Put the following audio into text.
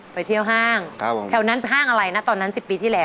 ไปเที่ยวห้างแถวนั้นห้างอะไรนะตอนนั้น๑๐ปีที่แล้ว